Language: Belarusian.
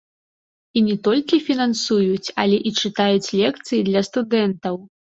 І не толькі фінансуюць, але і чытаюць лекцыі для студэнтаў.